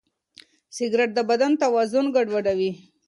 سګریټ د بدن توازن ګډوډوي.